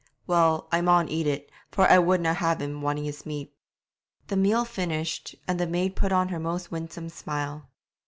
Well, I maun eat it, for I wouldna have him wanting his meat.' The meal finished, the maid put on her most winsome smile.